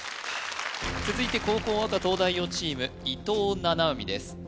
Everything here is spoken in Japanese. よかった続いて後攻赤東大王チーム伊藤七海です